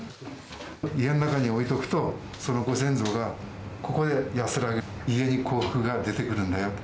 家の中に置いておくと、そのご先祖がここで安らげる、家に幸福が出てくるんだよって。